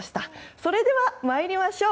それでは参りましょう。